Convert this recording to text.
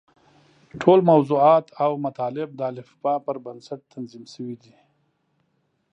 ټول موضوعات او مطالب د الفباء پر بنسټ تنظیم شوي دي.